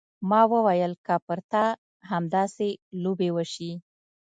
ما وويل که پر تا همداسې لوبې وشي.